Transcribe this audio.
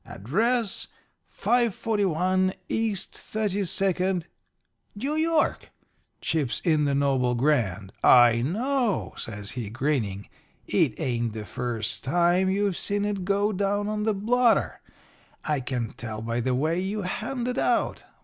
Address, 541 East Thirty second ' "'New York,' chips in the Noble Grand. 'I know,' says he, grinning. 'It ain't the first time you've seen it go down on the blotter. I can tell by the way you hand it out.